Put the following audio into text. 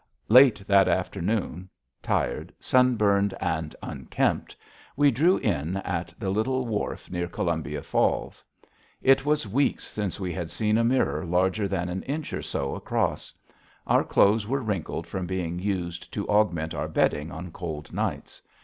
Late that afternoon, tired, sunburned, and unkempt, we drew in at the little wharf near Columbia Falls. It was weeks since we had seen a mirror larger than an inch or so across. Our clothes were wrinkled from being used to augment our bedding on cold nights.